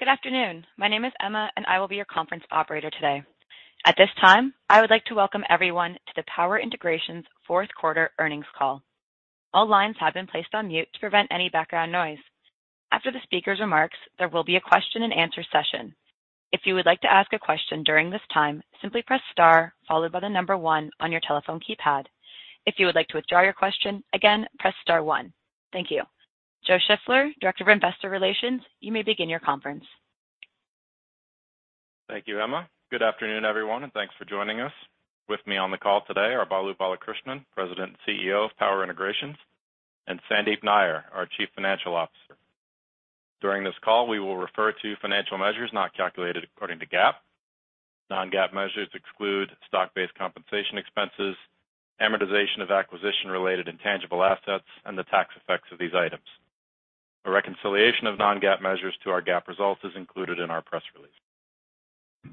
Good afternoon. My name is Emma, and I will be your conference operator today. At this time, I would like to welcome everyone to the Power Integrations fourth quarter earnings call. All lines have been placed on mute to prevent any background noise. After the speaker's remarks, there will be a question-and-answer session. If you would like to ask a question during this time, simply press star followed by the number one on your telephone keypad. If you would like to withdraw your question, again, press star one. Thank you. Joe Shiffler, Director of Investor Relations, you may begin your conference. Thank you, Emma. Good afternoon, everyone, and thanks for joining us. With me on the call today are Balu Balakrishnan, President and CEO of Power Integrations, and Sandeep Nayyar, our Chief Financial Officer. During this call, we will refer to financial measures not calculated according to GAAP. Non-GAAP measures exclude stock-based compensation expenses, amortization of acquisition-related intangible assets, and the tax effects of these items. A reconciliation of non-GAAP measures to our GAAP results is included in our press release.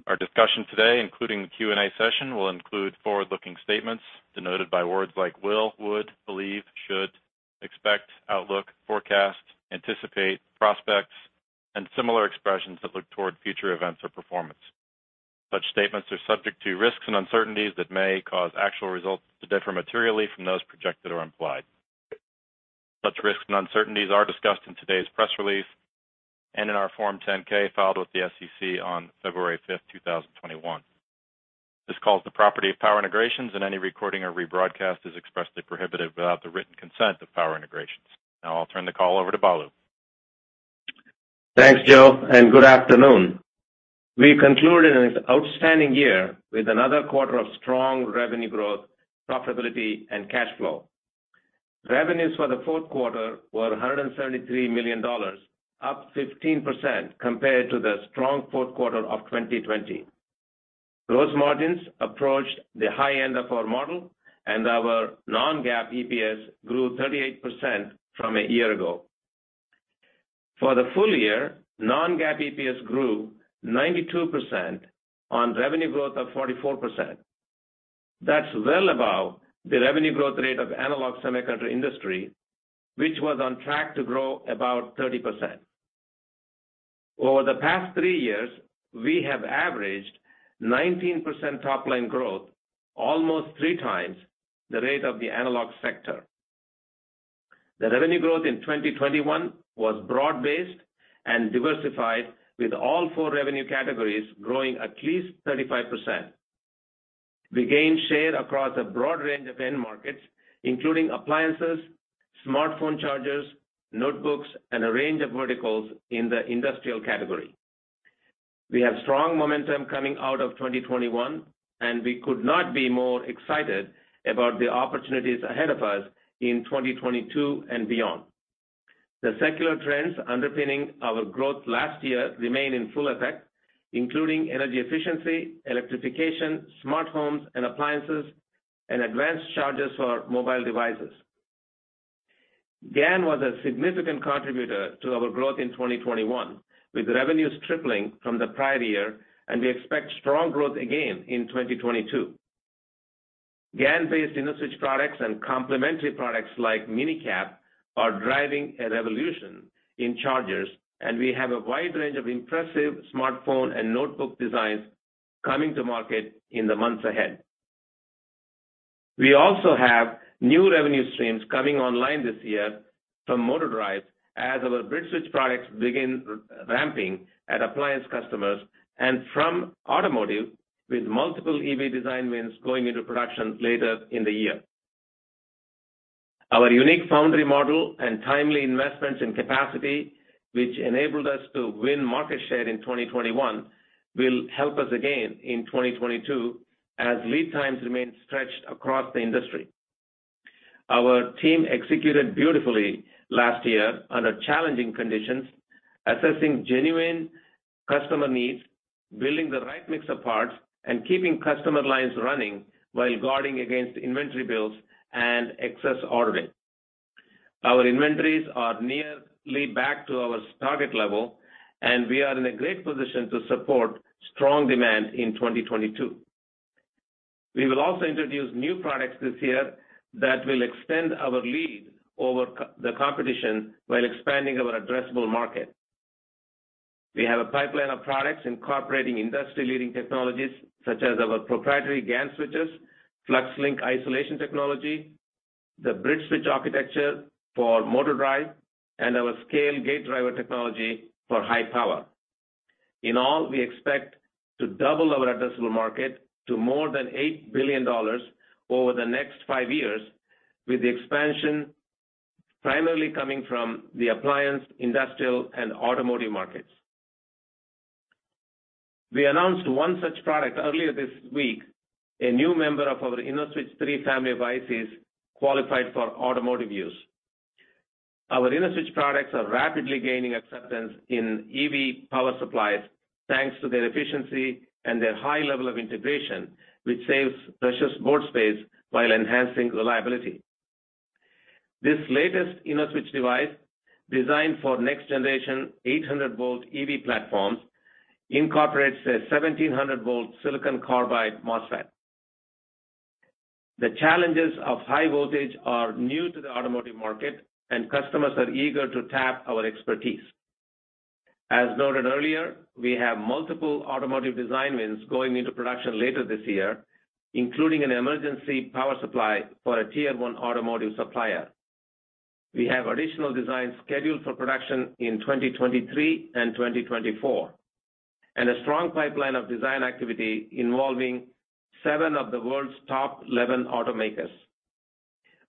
Our discussion today, including the Q&A session, will include forward-looking statements denoted by words like will, would, believe, should, expect, outlook, forecast, anticipate, prospects, and similar expressions that look toward future events or performance. Such statements are subject to risks and uncertainties that may cause actual results to differ materially from those projected or implied. Such risks and uncertainties are discussed in today's press release and in our Form 10-K filed with the SEC on February fifth, two thousand and twenty-one. This call is the property of Power Integrations, and any recording or rebroadcast is expressly prohibited without the written consent of Power Integrations. Now I'll turn the call over to Balu. Thanks, Joe, and good afternoon. We concluded an outstanding year with another quarter of strong revenue growth, profitability, and cash flow. Revenues for the fourth quarter were $173 million, up 15% compared to the strong fourth quarter of 2020. Gross margins approached the high end of our model, and our non-GAAP EPS grew 38% from a year ago. For the full year, non-GAAP EPS grew 92% on revenue growth of 44%. That's well above the revenue growth rate of analog semiconductor industry, which was on track to grow about 30%. Over the past three years, we have averaged 19% top-line growth, almost three times the rate of the analog sector. The revenue growth in 2021 was broad-based and diversified, with all four revenue categories growing at least 35%. We gained share across a broad range of end markets, including appliances, smartphone chargers, notebooks, and a range of verticals in the industrial category. We have strong momentum coming out of 2021, and we could not be more excited about the opportunities ahead of us in 2022 and beyond. The secular trends underpinning our growth last year remain in full effect, including energy efficiency, electrification, smart homes and appliances, and advanced chargers for mobile devices. GaN was a significant contributor to our growth in 2021, with revenues tripling from the prior year, and we expect strong growth again in 2022. GaN-based InnoSwitch products and complementary products like MinE-CAP are driving a revolution in chargers, and we have a wide range of impressive smartphone and notebook designs coming to market in the months ahead. We also have new revenue streams coming online this year from motor drives as our BridgeSwitch products begin ramping at appliance customers and from automotive, with multiple EV design wins going into production later in the year. Our unique foundry model and timely investments in capacity, which enabled us to win market share in 2021, will help us again in 2022 as lead times remain stretched across the industry. Our team executed beautifully last year under challenging conditions, assessing genuine customer needs, building the right mix of parts, and keeping customer lines running while guarding against inventory builds and excess ordering. Our inventories are nearly back to our target level, and we are in a great position to support strong demand in 2022. We will also introduce new products this year that will extend our lead over the competition while expanding our addressable market. We have a pipeline of products incorporating industry-leading technologies such as our proprietary GaN switches, FluxLink isolation technology, the BridgeSwitch architecture for motor drive, and our scaled gate driver technology for high power. In all, we expect to double our addressable market to more than $8 billion over the next five years, with the expansion primarily coming from the appliance, industrial, and automotive markets. We announced one such product earlier this week, a new member of our InnoSwitch 3 family of ICs qualified for automotive use. Our InnoSwitch products are rapidly gaining acceptance in EV power supplies thanks to their efficiency and their high level of integration, which saves precious board space while enhancing reliability. This latest InnoSwitch device, designed for next-generation 800-volt EV platforms, incorporates a 1,700-volt silicon carbide MOSFET. The challenges of high voltage are new to the automotive market, and customers are eager to tap our expertise. As noted earlier, we have multiple automotive design wins going into production later this year, including an emergency power supply for a tier one automotive supplier. We have additional designs scheduled for production in 2023 and 2024, and a strong pipeline of design activity involving seven of the world's top 11 automakers.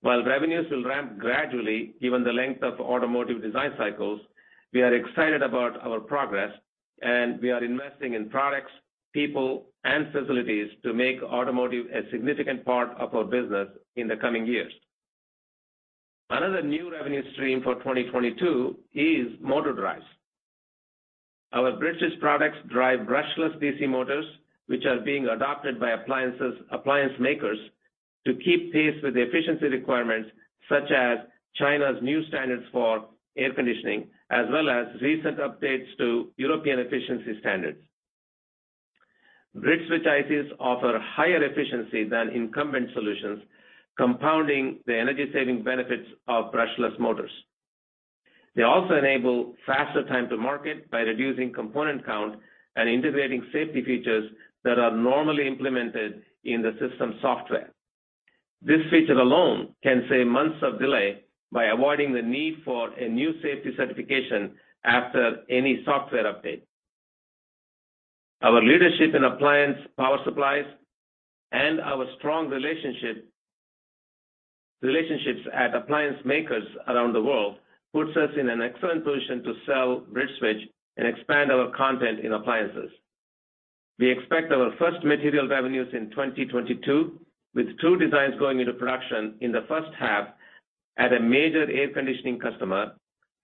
While revenues will ramp gradually given the length of automotive design cycles, we are excited about our progress, and we are investing in products, people, and facilities to make automotive a significant part of our business in the coming years. Another new revenue stream for 2022 is motor drives. Our BridgeSwitch products drive brushless DC motors, which are being adopted by appliance makers to keep pace with the efficiency requirements, such as China's new standards for air conditioning, as well as recent updates to European efficiency standards. BridgeSwitch ICs offer higher efficiency than incumbent solutions, compounding the energy-saving benefits of brushless motors. They also enable faster time to market by reducing component count and integrating safety features that are normally implemented in the system software. This feature alone can save months of delay by avoiding the need for a new safety certification after any software update. Our leadership in appliance power supplies and our strong relationships at appliance makers around the world puts us in an excellent position to sell BridgeSwitch and expand our content in appliances. We expect our first material revenues in 2022, with two designs going into production in the first half at a major air conditioning customer,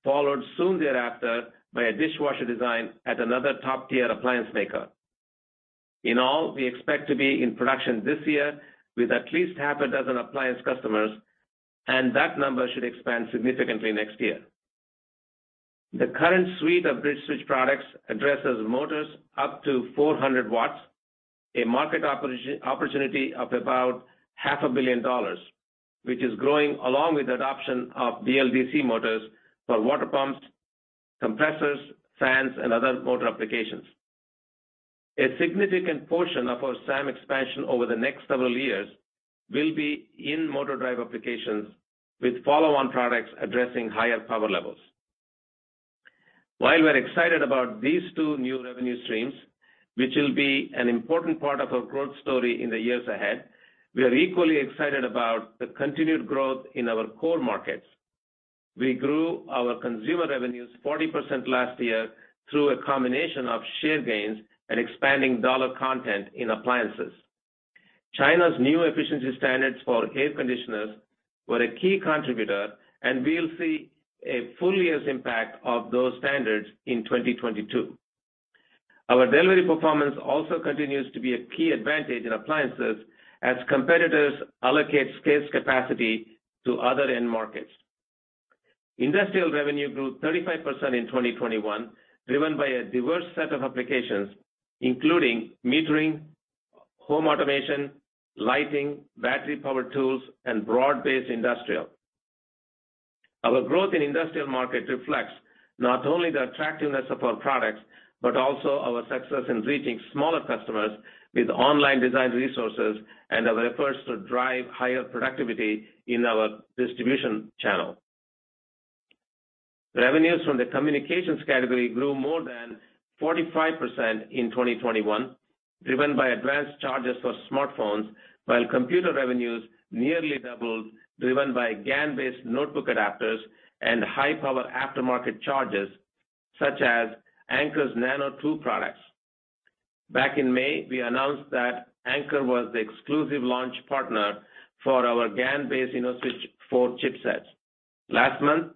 followed soon thereafter by a dishwasher design at another top-tier appliance maker. In all, we expect to be in production this year with at least half a dozen appliance customers, and that number should expand significantly next year. The current suite of BridgeSwitch products addresses motors up to 400 W, a market opportunity of about half a billion dollars, which is growing along with the adoption of BLDC motors for water pumps, compressors, fans, and other motor applications. A significant portion of our SAM expansion over the next several years will be in motor drive applications with follow-on products addressing higher power levels. While we're excited about these two new revenue streams, which will be an important part of our growth story in the years ahead, we are equally excited about the continued growth in our core markets. We grew our consumer revenues 40% last year through a combination of share gains and expanding dollar content in appliances. China's new efficiency standards for air conditioners were a key contributor, and we'll see a full year's impact of those standards in 2022. Our delivery performance also continues to be a key advantage in appliances as competitors allocate scarce capacity to other end markets. Industrial revenue grew 35% in 2021, driven by a diverse set of applications, including metering, home automation, lighting, battery-powered tools, and broad-based industrial. Our growth in industrial market reflects not only the attractiveness of our products, but also our success in reaching smaller customers with online design resources and our efforts to drive higher productivity in our distribution channel. Revenues from the communications category grew more than 45% in 2021, driven by advanced chargers for smartphones, while computer revenues nearly doubled, driven by GaN-based notebook adapters and high-power aftermarket chargers such as Anker's Nano II products. Back in May, we announced that Anker was the exclusive launch partner for our GaN-based InnoSwitch4 chipsets. Last month,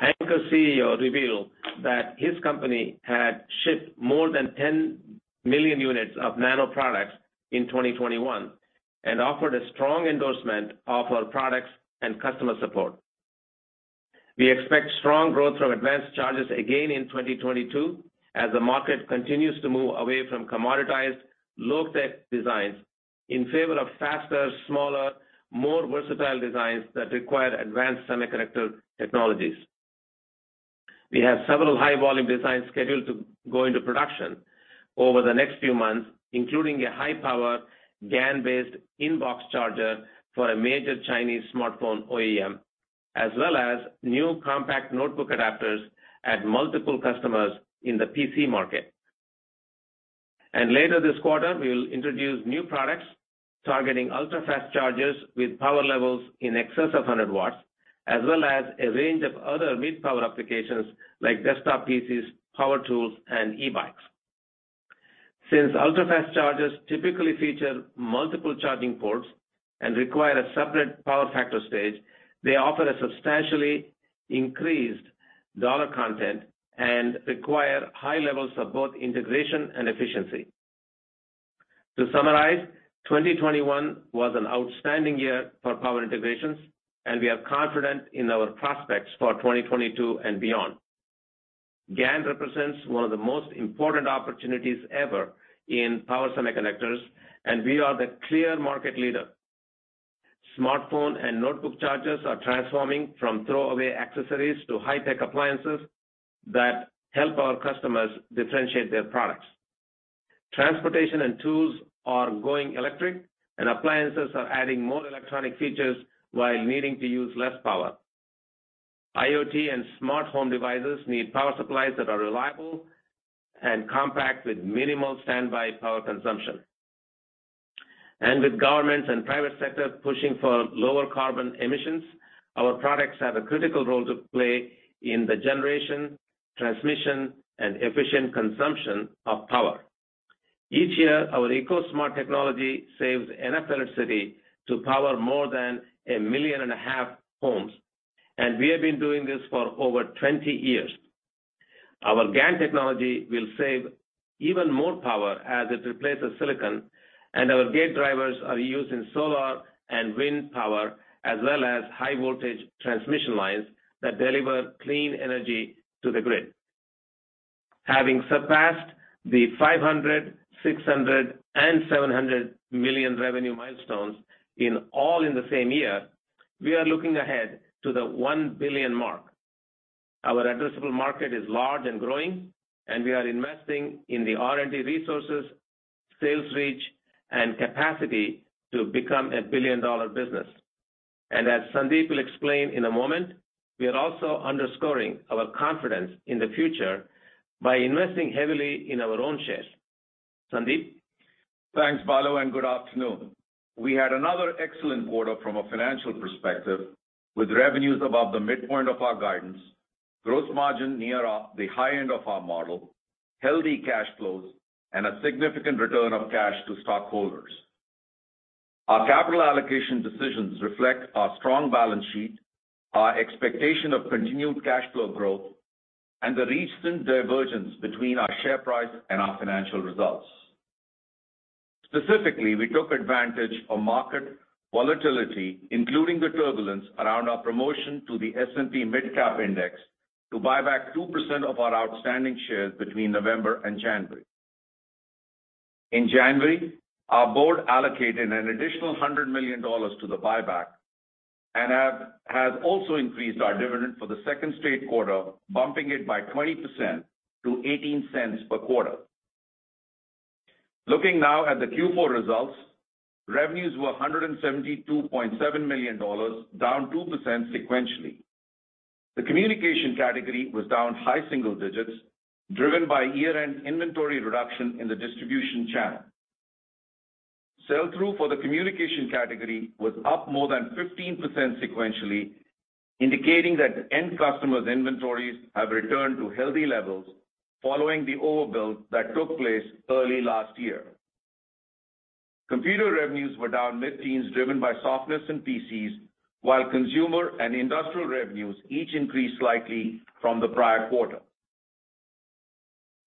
Anker's CEO revealed that his company had shipped more than 10 million units of Nano products in 2021 and offered a strong endorsement of our products and customer support. We expect strong growth from advanced chargers again in 2022 as the market continues to move away from commoditized, low-tech designs in favor of faster, smaller, more versatile designs that require advanced semiconductor technologies. We have several high-volume designs scheduled to go into production over the next few months, including a high-power GaN-based in-box charger for a major Chinese smartphone OEM, as well as new compact notebook adapters at multiple customers in the PC market. Later this quarter, we will introduce new products targeting ultra-fast chargers with power levels in excess of 100 W, as well as a range of other mid-power applications like desktop PCs, power tools, and e-bikes. Since ultra-fast chargers typically feature multiple charging ports and require a separate power factor stage, they offer a substantially increased dollar content and require high levels of both integration and efficiency. To summarize, 2021 was an outstanding year for Power Integrations, and we are confident in our prospects for 2022 and beyond. GaN represents one of the most important opportunities ever in power semiconductors, and we are the clear market leader. Smartphone and notebook chargers are transforming from throwaway accessories to high-tech appliances that help our customers differentiate their products. Transportation and tools are going electric, and appliances are adding more electronic features while needing to use less power. IoT and smartphone devices need power supplies that are reliable and compact with minimal standby power consumption. With governments and private sectors pushing for lower carbon emissions, our products have a critical role to play in the generation, transmission, and efficient consumption of power. Each year, our EcoSmart technology saves enough electricity to power more than 1.5 million homes, and we have been doing this for over 20 years. Our GaN technology will save even more power as it replaces silicon, and our gate drivers are used in solar and wind power, as well as high-voltage transmission lines that deliver clean energy to the grid. Having surpassed the $500 million, $600 million, and $700 million revenue milestones in all in the same year, we are looking ahead to the $1 billion mark. Our addressable market is large and growing, and we are investing in the R&D resources, sales reach, and capacity to become a billion-dollar business. As Sandeep will explain in a moment, we are also underscoring our confidence in the future by investing heavily in our own shares. Sandeep? Thanks, Balu, and good afternoon. We had another excellent quarter from a financial perspective, with revenues above the midpoint of our guidance, gross margin near the high end of our model, healthy cash flows, and a significant return of cash to stockholders. Our capital allocation decisions reflect our strong balance sheet, our expectation of continued cash flow growth, and the recent divergence between our share price and our financial results. Specifically, we took advantage of market volatility, including the turbulence around our promotion to the S&P MidCap 400, to buy back 2% of our outstanding shares between November and January. In January, our board allocated an additional $100 million to the buyback and has also increased our dividend for the second straight quarter, bumping it by 20% to $0.18 per quarter. Looking now at the Q4 results, revenues were $172.7 million, down 2% sequentially. The communication category was down high single digits, driven by year-end inventory reduction in the distribution channel. Sell-through for the communication category was up more than 15% sequentially, indicating that end customers' inventories have returned to healthy levels following the overbuild that took place early last year. Computer revenues were down mid-teens, driven by softness in PCs, while consumer and industrial revenues each increased slightly from the prior quarter.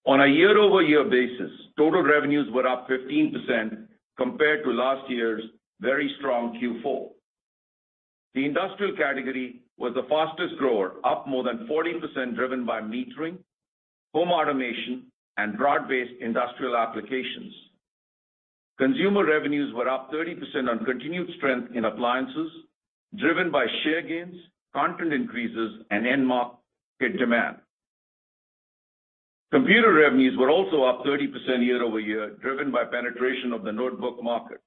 On a year-over-year basis, total revenues were up 15% compared to last year's very strong Q4. The industrial category was the fastest grower, up more than 14%, driven by metering, home automation, and broad-based industrial applications. Consumer revenues were up 30% on continued strength in appliances, driven by share gains, content increases, and end market demand. Computer revenues were also up 30% year-over-year, driven by penetration of the notebook market.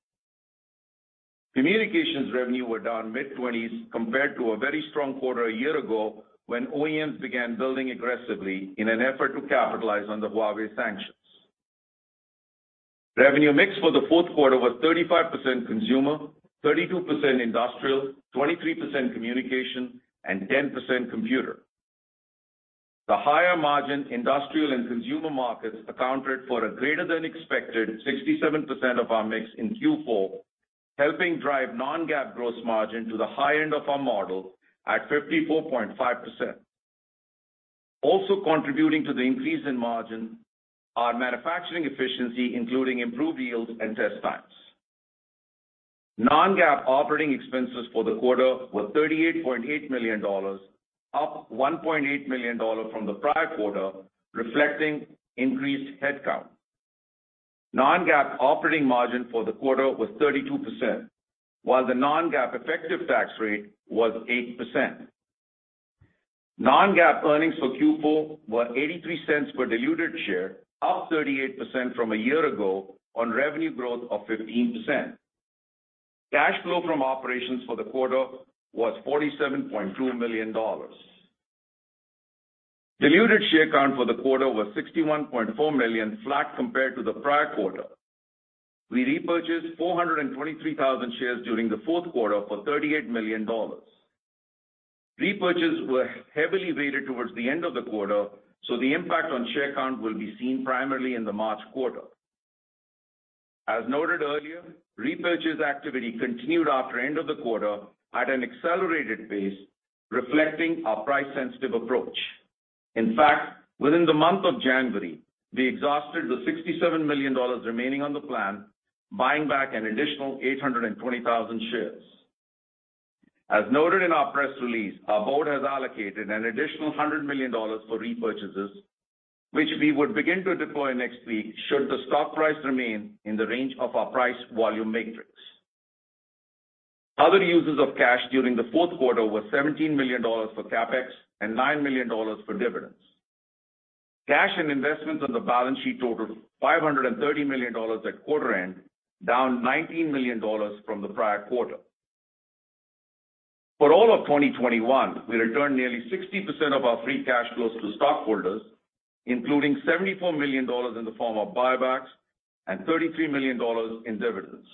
Communications revenue were down mid-20s% compared to a very strong quarter a year ago, when OEMs began building aggressively in an effort to capitalize on the Huawei sanctions. Revenue mix for the fourth quarter was 35% consumer, 32% industrial, 23% communication, and 10% computer. The higher margin industrial and consumer markets accounted for a greater than expected 67% of our mix in Q4, helping drive non-GAAP gross margin to the high end of our model at 54.5%. Also contributing to the increase in margin are manufacturing efficiency, including improved yields and test times. Non-GAAP operating expenses for the quarter were $38.8 million, up $1.8 million from the prior quarter, reflecting increased headcount. Non-GAAP operating margin for the quarter was 32%, while the non-GAAP effective tax rate was 8%. Non-GAAP earnings for Q4 were $0.83 per diluted share, up 38% from a year ago on revenue growth of 15%. Cash flow from operations for the quarter was $47.2 million. Diluted share count for the quarter was 61.4 million, flat compared to the prior quarter. We repurchased 423,000 shares during the fourth quarter for $38 million. Repurchases were heavily weighted towards the end of the quarter, so the impact on share count will be seen primarily in the March quarter. As noted earlier, repurchase activity continued after end of the quarter at an accelerated pace, reflecting our price-sensitive approach. In fact, within the month of January, we exhausted the $67 million remaining on the plan, buying back an additional 820,000 shares. As noted in our press release, our board has allocated an additional $100 million for repurchases, which we would begin to deploy next week should the stock price remain in the range of our price volume matrix. Other uses of cash during the fourth quarter was $17 million for CapEx and $9 million for dividends. Cash and investments on the balance sheet totaled $530 million at quarter end, down $19 million from the prior quarter. For all of 2021, we returned nearly 60% of our free cash flows to stockholders, including $74 million in the form of buybacks and $33 million in dividends.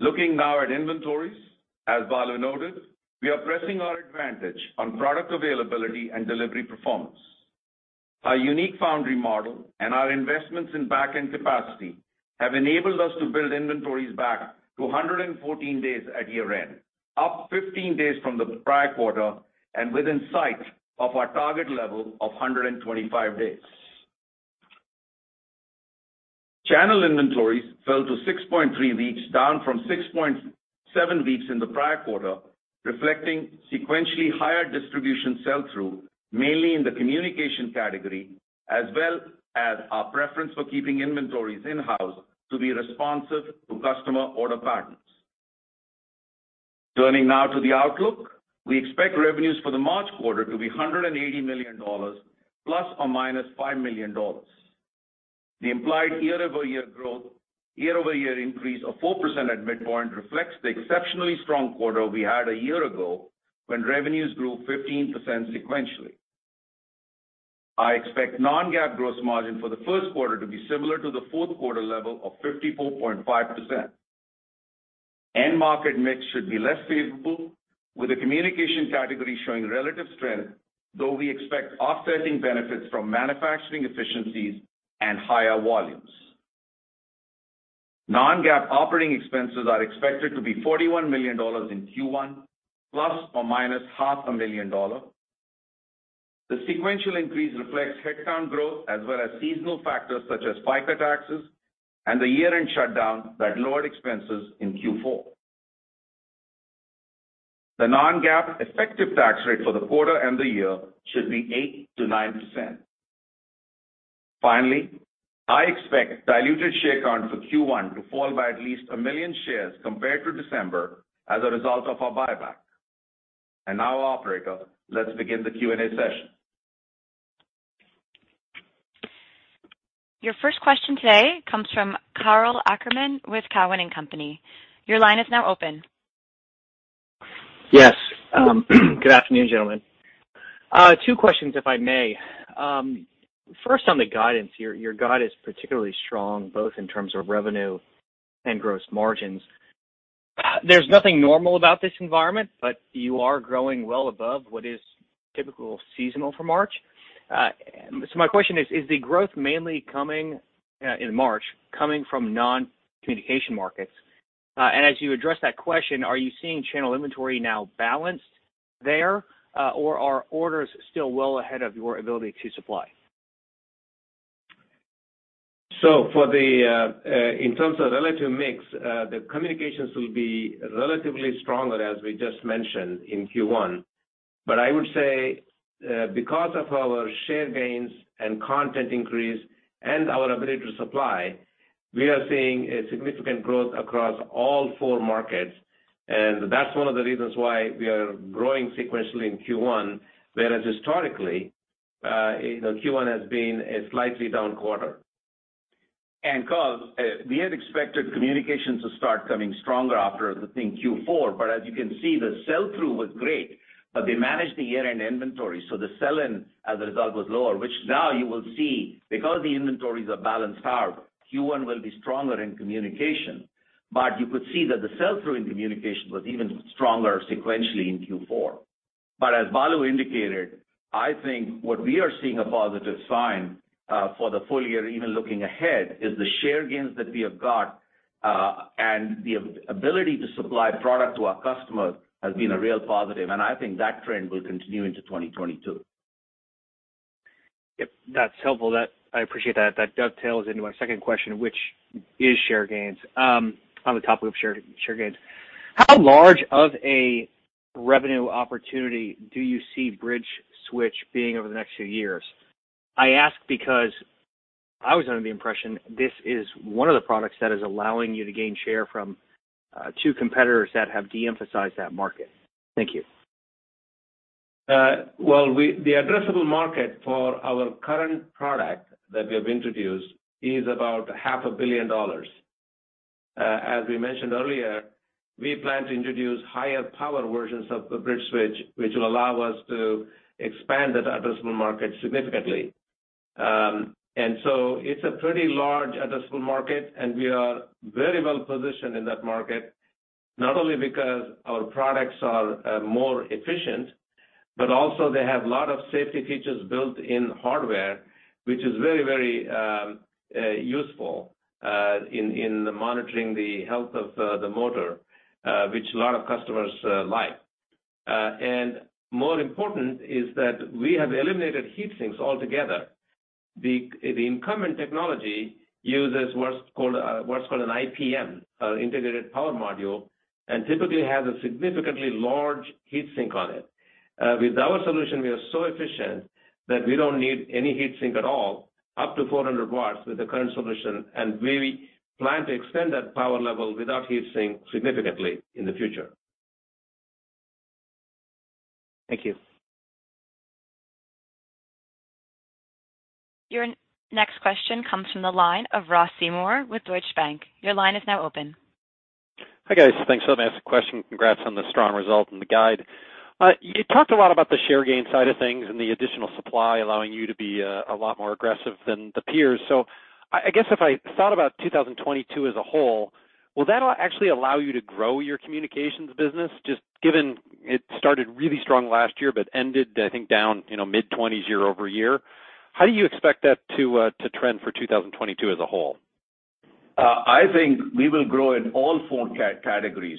Looking now at inventories, as Balu noted, we are pressing our advantage on product availability and delivery performance. Our unique foundry model and our investments in back-end capacity have enabled us to build inventories back to 114 days at year-end, up 15 days from the prior quarter and within sight of our target level of 125 days. Channel inventories fell to 6.3 weeks, down from 6.7 weeks in the prior quarter, reflecting sequentially higher distribution sell-through, mainly in the communication category, as well as our preference for keeping inventories in-house to be responsive to customer order patterns. Turning now to the outlook. We expect revenues for the March quarter to be $180 million ± $5 million. The implied year-over-year increase of 4% at midpoint reflects the exceptionally strong quarter we had a year ago when revenues grew 15% sequentially. I expect non-GAAP gross margin for the first quarter to be similar to the fourth quarter level of 54.5%. End market mix should be less favorable, with the communication category showing relative strength, though we expect offsetting benefits from manufacturing efficiencies and higher volumes. Non-GAAP operating expenses are expected to be $41 million in Q1, ± half a million dollars. The sequential increase reflects headcount growth as well as seasonal factors such as FICA taxes and the year-end shutdown that lowered expenses in Q4. The non-GAAP effective tax rate for the quarter and the year should be 8%-9%. Finally, I expect diluted share count for Q1 to fall by at least 1 million shares compared to December as a result of our buyback. Now, operator, let's begin the Q&A session. Your first question today comes from Karl Ackerman with Cowen and Company. Your line is now open. Yes. Good afternoon, gentlemen. Two questions if I may. First on the guidance. Your guidance is particularly strong, both in terms of revenue and gross margins. There's nothing normal about this environment, but you are growing well above what is typical seasonality for March. So my question is the growth mainly coming in March, coming from non-communication markets? And as you address that question, are you seeing channel inventory now balanced there, or are orders still well ahead of your ability to supply? In terms of relative mix, the communications will be relatively stronger, as we just mentioned in Q1. I would say, because of our share gains and content increase and our ability to supply, we are seeing a significant growth across all four markets. That's one of the reasons why we are growing sequentially in Q1, whereas historically, you know, Q1 has been a slightly down quarter. Karl, we had expected communications to start coming stronger after I think Q4, but as you can see, the sell-through was great, but they managed the year-end inventory, so the sell-in as a result was lower, which now you will see because the inventories are balanced, and Q1 will be stronger in communication. You could see that the sell-through in communication was even stronger sequentially in Q4. As Balu indicated, I think what we are seeing is a positive sign for the full year, even looking ahead, is the share gains that we have got, and the ability to supply product to our customers has been a real positive, and I think that trend will continue into 2022. Yep, that's helpful. That. I appreciate that. That dovetails into my second question, which is share gains. On the topic of share gains, how large of a revenue opportunity do you see BridgeSwitch being over the next few years? I ask because I was under the impression this is one of the products that is allowing you to gain share from two competitors that have de-emphasized that market. Thank you. The addressable market for our current product that we have introduced is about half a billion dollars. As we mentioned earlier, we plan to introduce higher power versions of the BridgeSwitch, which will allow us to expand that addressable market significantly. It's a pretty large addressable market, and we are very well positioned in that market, not only because our products are more efficient, but also they have a lot of safety features built in hardware, which is very useful in monitoring the health of the motor, which a lot of customers like. More important is that we have eliminated heat sinks altogether. The incumbent technology uses what's called an IPM, integrated power module, and typically has a significantly large heat sink on it. With our solution, we are so efficient that we don't need any heat sink at all, up to 400 W with the current solution, and we plan to extend that power level without heat sink significantly in the future. Thank you. Your next question comes from the line of Ross Seymore with Deutsche Bank. Your line is now open. Hi, guys. Thanks for letting me ask a question. Congrats on the strong result and the guide. You talked a lot about the share gain side of things and the additional supply allowing you to be a lot more aggressive than the peers. I guess if I thought about 2022 as a whole, will that actually allow you to grow your communications business, just given it started really strong last year, but ended, I think down, you know, mid-20s% year-over-year. How do you expect that to trend for 2022 as a whole? I think we will grow in all four categories.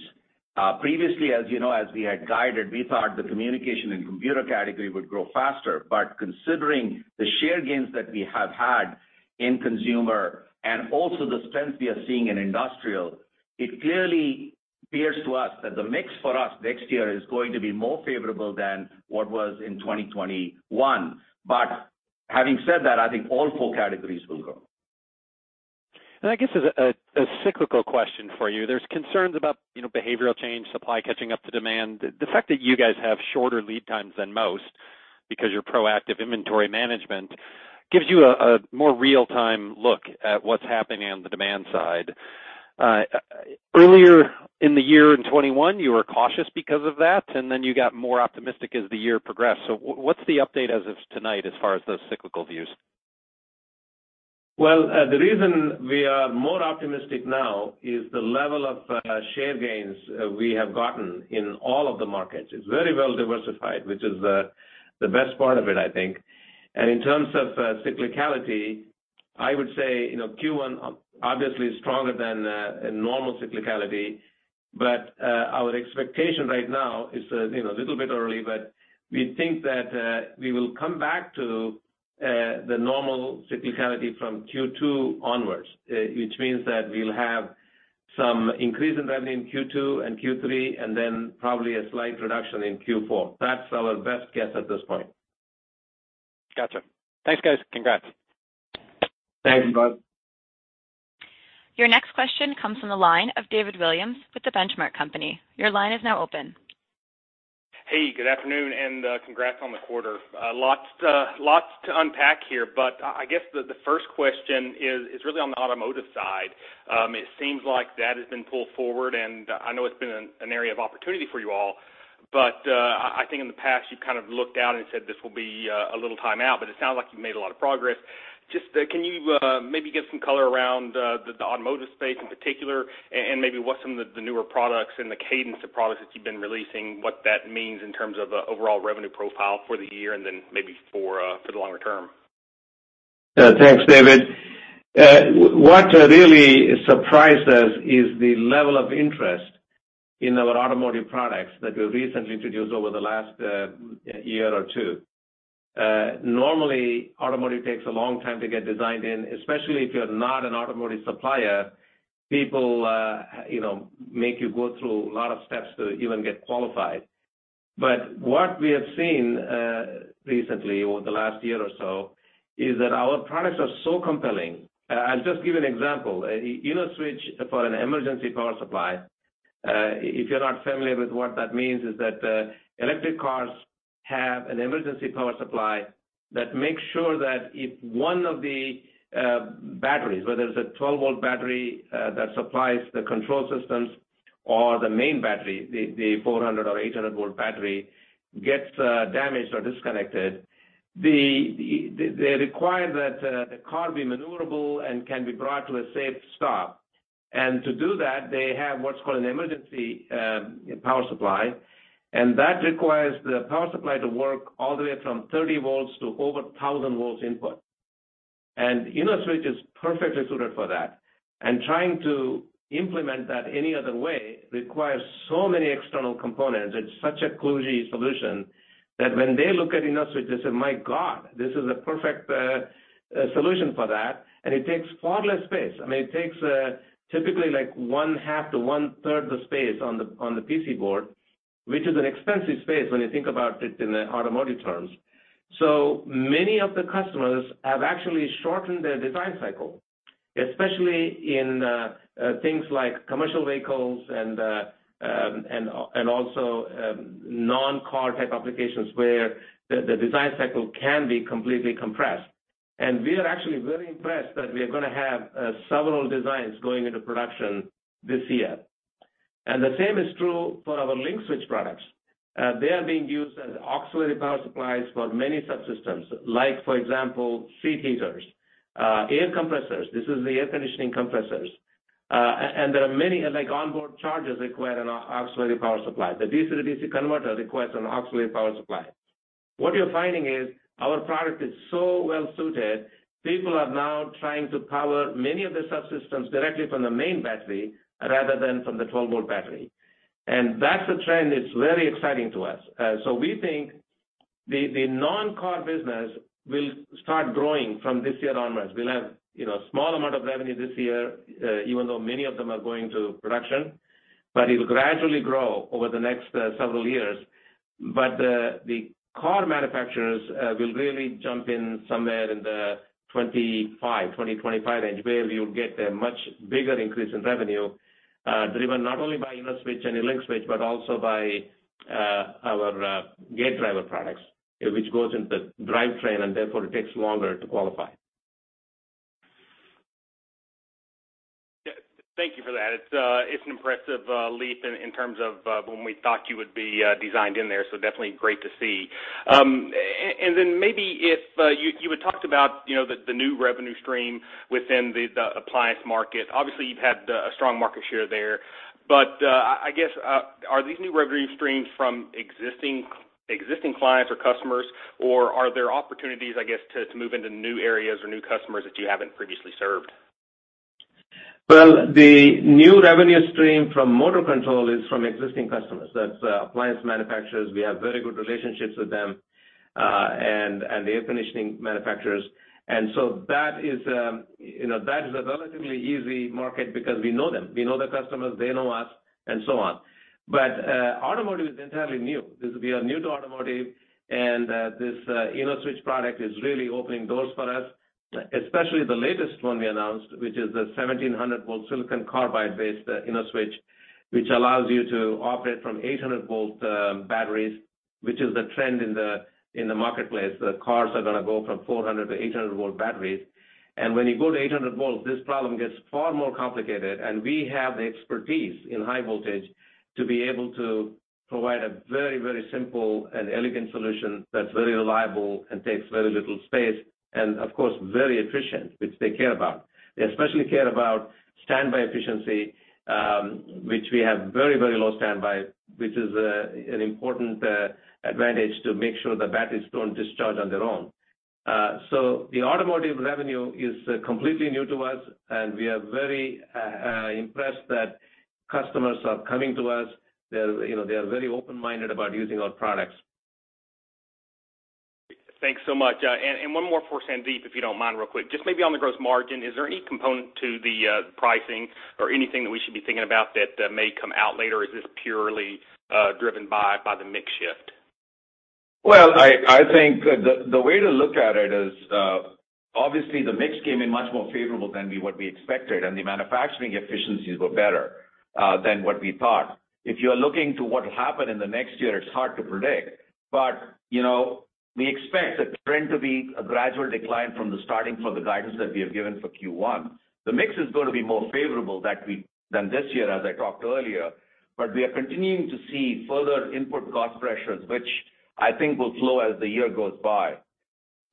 Previously, as you know, as we had guided, we thought the communication and computer category would grow faster. Considering the share gains that we have had in consumer and also the strength we are seeing in industrial, it clearly appears to us that the mix for us next year is going to be more favorable than what was in 2021. Having said that, I think all four categories will grow. I guess as a cyclical question for you, there's concerns about, you know, behavioral change, supply catching up to demand. The fact that you guys have shorter lead times than most because your proactive inventory management gives you a more real-time look at what's happening on the demand side. Earlier in the year in 2021, you were cautious because of that, and then you got more optimistic as the year progressed. What, what's the update as of tonight as far as those cyclical views? Well, the reason we are more optimistic now is the level of share gains we have gotten in all of the markets. It's very well diversified, which is the best part of it, I think. In terms of cyclicality, I would say, you know, Q1 obviously is stronger than a normal cyclicality. Our expectation right now is you know, a little bit early, but we think that we will come back to the normal cyclicality from Q2 onwards, which means that we'll have some increase in revenue in Q2 and Q3, and then probably a slight reduction in Q4. That's our best guess at this point. Gotcha. Thanks, guys. Congrats. Thanks, Ross. Your next question comes from the line of David Williams with The Benchmark Company. Your line is now open. Hey, good afternoon, and congrats on the quarter. Lots to unpack here, but I guess the first question is really on the automotive side. It seems like that has been pulled forward, and I know it's been an area of opportunity for you all. But I think in the past, you've kind of looked out and said this will be a little time out, but it sounds like you've made a lot of progress. Just can you maybe give some color around the automotive space in particular, and maybe what some of the newer products and the cadence of products that you've been releasing, what that means in terms of the overall revenue profile for the year and then maybe for the longer term? Thanks, David. What really surprised us is the level of interest in our automotive products that we recently introduced over the last year or two. Normally, automotive takes a long time to get designed in, especially if you're not an automotive supplier. People, you know, make you go through a lot of steps to even get qualified. What we have seen recently over the last year or so is that our products are so compelling. I'll just give you an example. An InnoSwitch for an emergency power supply. If you're not familiar with what that means is that electric cars have an emergency power supply that makes sure that if one of the batteries, whether it's a 12-volt battery that supplies the control systems or the main battery, the 400- or 800-volt battery gets damaged or disconnected, they require that the car be maneuverable and can be brought to a safe stop. To do that, they have what's called an emergency power supply. That requires the power supply to work all the way from 30 volts to over 1,000 volts input. InnoSwitch is perfectly suited for that. Trying to implement that any other way requires so many external components. It's such a kludgy solution that when they look at InnoSwitch, they say, "My God, this is the perfect solution for that." It takes far less space. I mean, it takes typically like one-half to one-third the space on the PC board, which is an expensive space when you think about it in automotive terms. Many of the customers have actually shortened their design cycle, especially in things like commercial vehicles and also non-car type applications where the design cycle can be completely compressed. We are actually very impressed that we are gonna have several designs going into production this year. The same is true for our LinkSwitch products. They are being used as auxiliary power supplies for many subsystems, like, for example, seat heaters, air compressors, this is the air conditioning compressors, and there are many, like onboard chargers require an auxiliary power supply. The DC-to-DC converter requires an auxiliary power supply. What we're finding is our product is so well suited, people are now trying to power many of the subsystems directly from the main battery rather than from the 12-volt battery. That's a trend that's very exciting to us. We think the non-car business will start growing from this year onwards. We'll have, you know, small amount of revenue this year, even though many of them are going to production, but it'll gradually grow over the next several years. The car manufacturers will really jump in somewhere in the 2025 range, where we will get a much bigger increase in revenue, driven not only by InnoSwitch and LinkSwitch, but also by our gate driver products, which goes into drivetrain and therefore it takes longer to qualify. Yeah. Thank you for that. It's an impressive leap in terms of when we thought you would be designed in there, so definitely great to see. And then maybe if you had talked about, you know, the new revenue stream within the appliance market. Obviously you've had a strong market share there. I guess are these new revenue streams from existing clients or customers, or are there opportunities, I guess, to move into new areas or new customers that you haven't previously served? Well, the new revenue stream from motor control is from existing customers. That's appliance manufacturers, we have very good relationships with them, and the air conditioning manufacturers. That is, you know, a relatively easy market because we know them. We know the customers, they know us, and so on. Automotive is entirely new. We are new to automotive and this InnoSwitch product is really opening doors for us, especially the latest one we announced, which is the 1700-volt silicon carbide-based InnoSwitch, which allows you to operate from 800-volt batteries, which is the trend in the marketplace. The cars are gonna go from 400- to 800-volt batteries. When you go to 800 volts, this problem gets far more complicated, and we have the expertise in high voltage to be able to provide a very, very simple and elegant solution that's very reliable and takes very little space and of course, very efficient, which they care about. They especially care about standby efficiency, which we have very, very low standby, which is an important advantage to make sure the batteries don't discharge on their own. The automotive revenue is completely new to us, and we are very impressed that customers are coming to us. They're, you know, they are very open-minded about using our products. Thanks so much. One more for Sandeep, if you don't mind, real quick. Just maybe on the gross margin, is there any component to the pricing or anything that we should be thinking about that may come out later, or is this purely driven by the mix shift? Well, I think the way to look at it is, obviously the mix came in much more favorable than what we expected, and the manufacturing efficiencies were better than what we thought. If you are looking to what happened in the next year, it's hard to predict. You know, we expect the trend to be a gradual decline from the starting for the guidance that we have given for Q1. The mix is gonna be more favorable than this year, as I talked earlier, but we are continuing to see further input cost pressures, which I think will slow as the year goes by.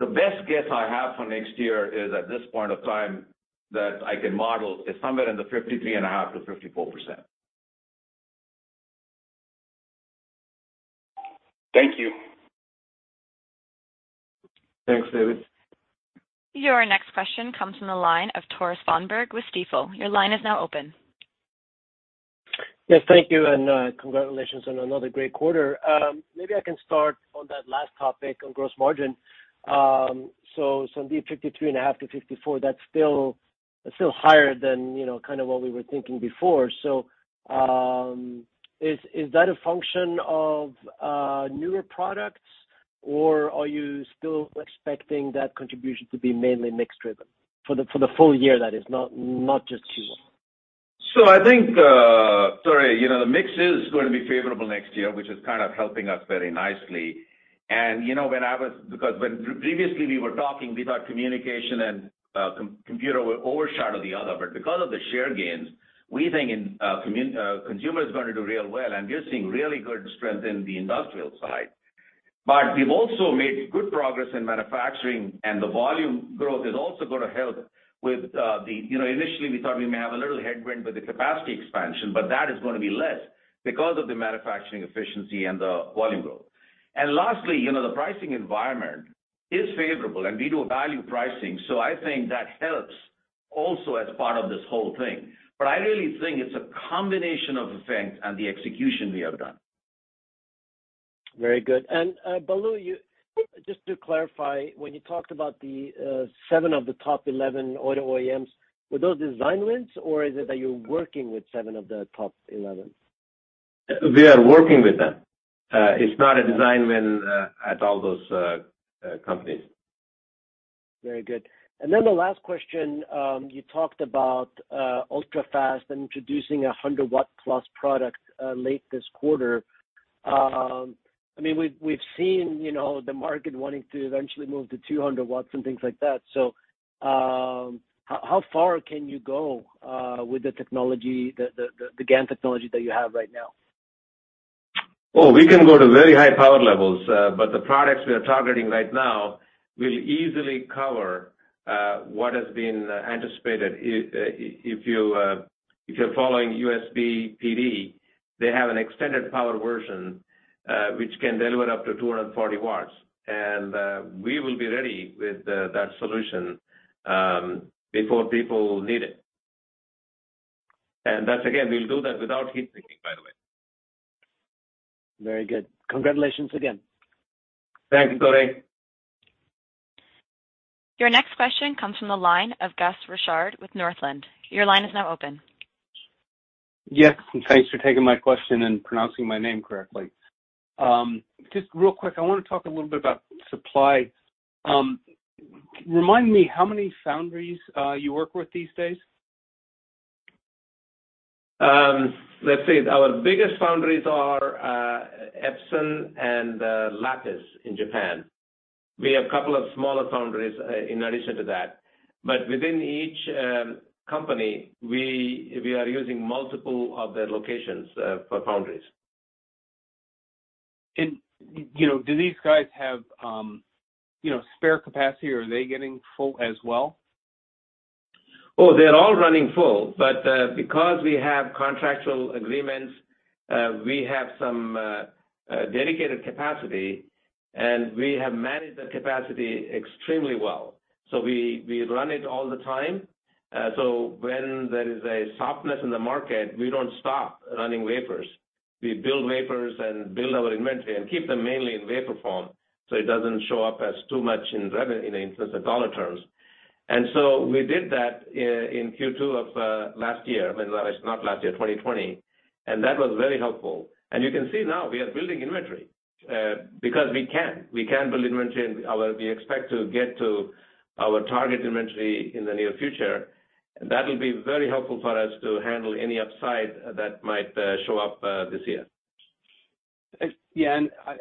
The best guess I have for next year is at this point of time that I can model, is somewhere in the 53.5%-54%. Thank you. Thanks, David. Your next question comes from the line of Tore Svanberg with Stifel. Your line is now open. Yes, thank you and congratulations on another great quarter. Maybe I can start on that last topic on gross margin. Sandeep, 53.5%-54%, that's still higher than, you know, kind of what we were thinking before. Is that a function of newer products, or are you still expecting that contribution to be mainly mix-driven for the full year, that is, not just Q1? I think, Tore, you know, the mix is going to be favorable next year, which is kind of helping us very nicely. You know, because when previously we were talking, we thought communication and computer will overshadow the other. Because of the share gains, we think in consumer is gonna do real well, and we're seeing really good strength in the industrial side. We've also made good progress in manufacturing, and the volume growth is also gonna help with You know, initially we thought we may have a little headwind with the capacity expansion, but that is gonna be less because of the manufacturing efficiency and the volume growth. Lastly, you know, the pricing environment is favorable, and we do a value pricing, so I think that helps also as part of this whole thing. I really think it's a combination of things and the execution we have done. Very good. Balu, just to clarify, when you talked about the seven of the top 11 auto OEMs, were those design wins, or is it that you're working with seven of the top 11? We are working with them. It's not a design win at all those companies. Very good. The last question, you talked about ultra-fast and introducing a 100 W+ product late this quarter. I mean, we've seen, you know, the market wanting to eventually move to 200 W and things like that. How far can you go with the technology, the GaN technology that you have right now? Oh, we can go to very high power levels. But the products we are targeting right now will easily cover what has been anticipated. If you're following USB PD, they have an extended power version, which can deliver up to 240 W. We will be ready with that solution before people need it. That's again, we'll do that without heat sinking, by the way. Very good. Congratulations again. Thanks, Tore. Your next question comes from the line of Gus Richard with Northland. Your line is now open. Yes, thanks for taking my question and pronouncing my name correctly. Just real quick, I wanna talk a little bit about supply. Remind me how many foundries you work with these days? Let's see. Our biggest foundries are Epson and Lattice in Japan. We have a couple of smaller foundries in addition to that. Within each company, we are using multiple of their locations for foundries. You know, do these guys have you know, spare capacity, or are they getting full as well? Oh, they're all running full. Because we have contractual agreements, we have some dedicated capacity, and we have managed the capacity extremely well. We run it all the time. When there is a softness in the market, we don't stop running wafers. We build wafers and build our inventory and keep them mainly in wafer form, so it doesn't show up as too much in revenue—in essence, in dollar terms. We did that in Q2 of last year. I mean, not last year, 2020, and that was very helpful. You can see now we are building inventory, because we can. We can build inventory, and we expect to get to our target inventory in the near future. That will be very helpful for us to handle any upside that might show up this year. Yeah,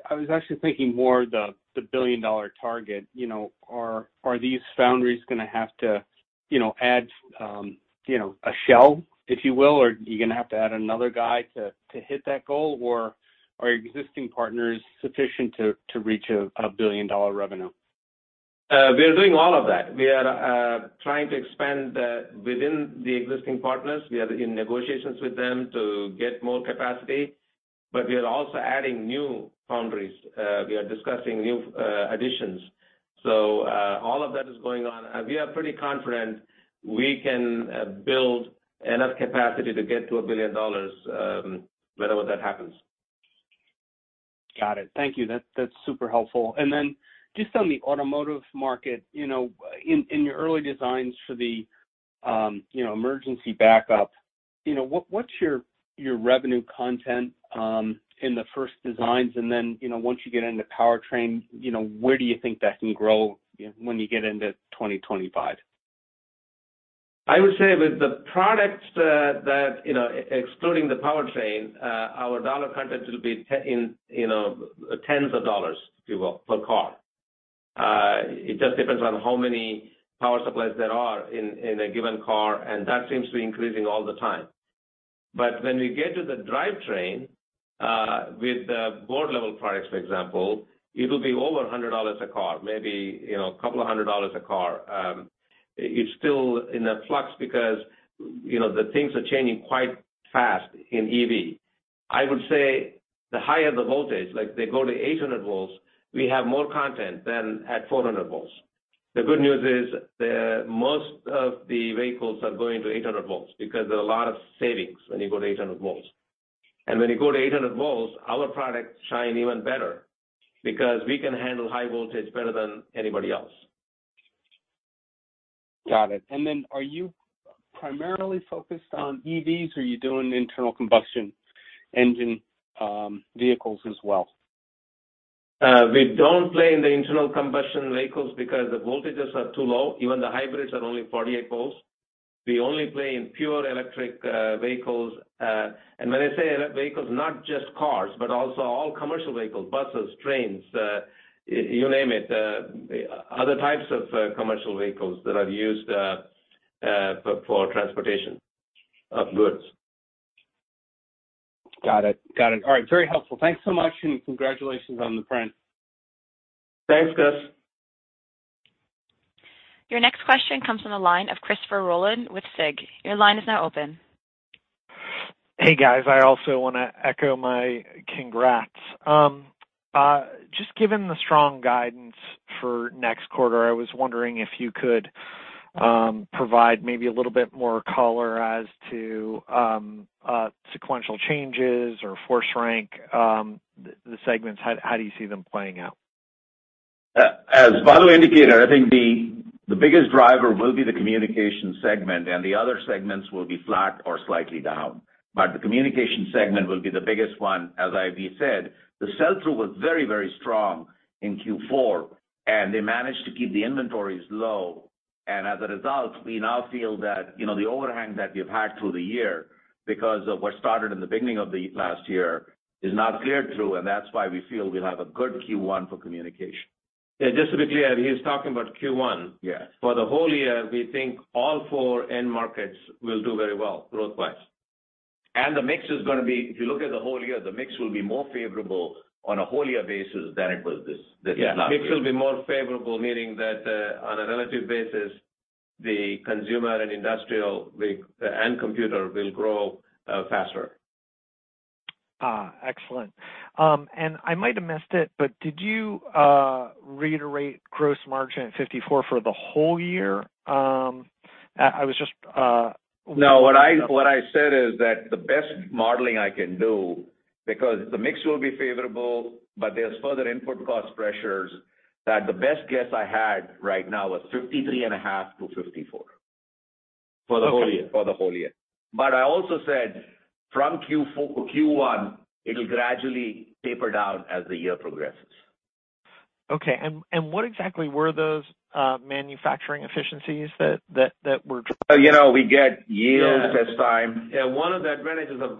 I was actually thinking more about the billion-dollar target, you know, are these foundries gonna have to, you know, add a shell, if you will, or are you gonna have to add another guy to hit that goal? Or are existing partners sufficient to reach a billion-dollar revenue? We are doing all of that. We are trying to expand within the existing partners. We are in negotiations with them to get more capacity, but we are also adding new foundries. We are discussing new additions. All of that is going on. We are pretty confident we can build enough capacity to get to $1 billion whenever that happens. Got it. Thank you. That's super helpful. Then just on the automotive market, you know, in your early designs for the, you know, emergency backup, you know, what's your revenue content in the first designs, and then, you know, once you get into powertrain, you know, where do you think that can grow when you get into 2025? I would say with the products that, you know, excluding the powertrain, our dollar content will be tens of dollars, if you will, per car. It just depends on how many power supplies there are in a given car, and that seems to be increasing all the time. When we get to the drivetrain, with the board-level products, for example, it'll be over $100 a car, maybe, you know, a couple of hundred dollars a car. It's still in a flux because, you know, the things are changing quite fast in EV. I would say the higher the voltage, like they go to 800 volts, we have more content than at 400 volts. The good news is most of the vehicles are going to 800 volts because there are a lot of savings when you go to 800 volts. When you go to 800 volts, our products shine even better because we can handle high voltage better than anybody else. Got it. Are you primarily focused on EVs, or are you doing internal combustion engine vehicles as well? We don't play in the internal combustion vehicles because the voltages are too low. Even the hybrids are only 48 volts. We only play in pure electric vehicles. When I say electric vehicles, not just cars, but also all commercial vehicles, buses, trains, you name it, other types of commercial vehicles that are used for transportation of goods. Got it. All right. Very helpful. Thanks so much, and congratulations on the print. Thanks, Gus. Your next question comes from the line of Christopher Rolland with Susquehanna Financial Group. Your line is now open. Hey, guys. I also wanna echo my congrats. Just given the strong guidance for next quarter, I was wondering if you could provide maybe a little bit more color as to sequential changes or force rank the segments. How do you see them playing out? As Balu indicated, I think the biggest driver will be the communication segment, and the other segments will be flat or slightly down. The communication segment will be the biggest one. As Ivy said, the sell-through was very, very strong in Q4, and they managed to keep the inventories low. As a result, we now feel that, you know, the overhang that we've had through the year because of what started in the beginning of the last year is now cleared through, and that's why we feel we'll have a good Q1 for communication. Yeah, just to be clear, he is talking about Q1. Yes. For the whole year, we think all four end markets will do very well growth-wise. The mix is gonna be if you look at the whole year, the mix will be more favorable on a whole year basis than it was this last year. Yeah. Mix will be more favorable, meaning that on a relative basis, the consumer and industrial and computer will grow faster. Excellent. I might have missed it, but did you reiterate gross margin at 54% for the whole year? I was just No. What I said is that the best modeling I can do, because the mix will be favorable, but there's further input cost pressures, that the best guess I had right now was 53.5%-54%. For the whole year? For the whole year. I also said from Q4 to Q1 it'll gradually taper down as the year progresses. Okay. What exactly were those manufacturing efficiencies that were- You know, we get yield test time. Yeah. One of the advantages of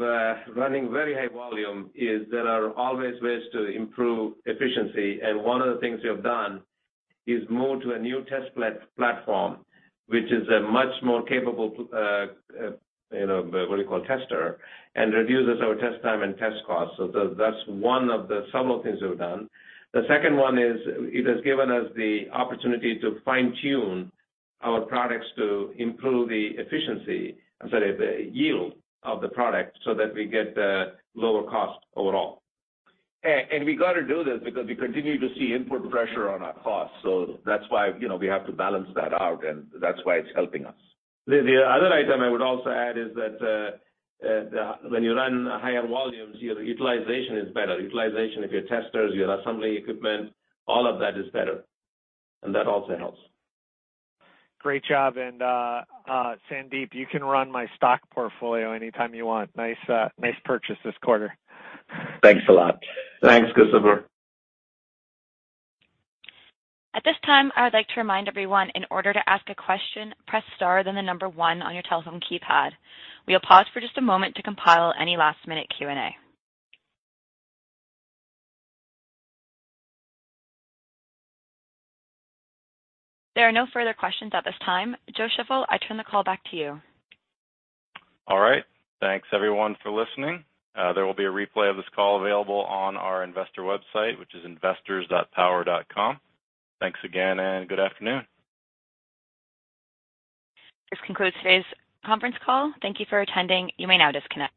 running very high volume is there are always ways to improve efficiency. One of the things we have done is move to a new test platform, which is a much more capable tester and reduces our test time and test costs. That's one of the several things we've done. The second one is it has given us the opportunity to fine-tune our products to improve the efficiency, sorry, the yield of the product so that we get the lower cost overall. We gotta do this because we continue to see input pressure on our costs. That's why, you know, we have to balance that out, and that's why it's helping us. The other item I would also add is that when you run higher volumes, your utilization is better. Utilization of your testers, your assembly equipment, all of that is better, and that also helps. Great job. Sandeep, you can run my stock portfolio anytime you want. Nice purchase this quarter. Thanks a lot. Thanks, Christopher. At this time, I would like to remind everyone in order to ask a question, press star then the number one on your telephone keypad. We'll pause for just a moment to compile any last-minute Q&A. There are no further questions at this time. Joe Shiffler, I turn the call back to you. All right. Thanks, everyone for listening. There will be a replay of this call available on our investor website, which is investors.power.com. Thanks again, and good afternoon. This concludes today's conference call. Thank you for attending. You may now disconnect.